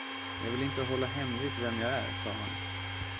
Jag vill inte hålla hemligt vem jag är, sade han.